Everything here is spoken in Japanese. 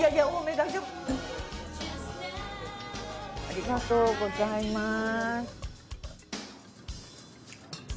ありがとうございます。